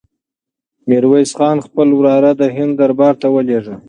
میرویس خان خپل وراره د هند دربار ته ولېږه.